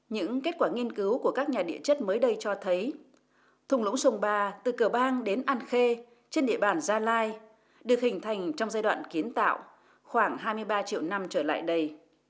những kết quả nghiên cứu của các nhà địa chất mới đây cho thấy thùng lũng sông ba từ cửa bang đến an khê trên địa bàn gia lai được hình thành trong giai đoạn kiến tạo khoảng hai mươi ba triệu năm trở lại đây